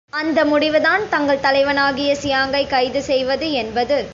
அந்த முடிவுதான் தங்கள் தலைவனாகிய சியாங்கைக் கைது செய்வது என்பது.